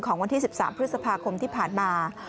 วันที่๑๓พฤษภาคมที่ผ่านมา